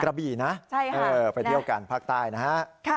กระบี่นะไปเที่ยวกันภาคใต้นะฮะ